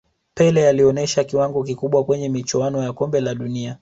pele alionesha kiwango kikubwa kwenye michuano ya kombe la dunia